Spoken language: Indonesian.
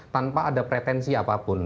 tanpa ada pretensi apapun